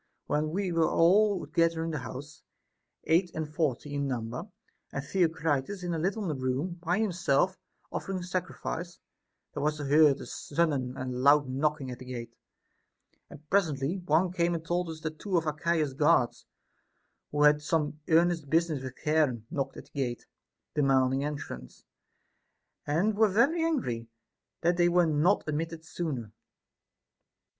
27. When we were all together in the house (eight and forty in number), and Theocritus in a little room by himself offering sacrifice, there was heard on a sudden a loud knocking at the gate ; and presently one came and told us that two of Archias's guard, who had some earnest busi ness with Charon, knocked at the gate, demanding entrance, and were very angry that they were not admitted sooner.